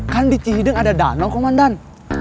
kan di cihideng ada danau komandan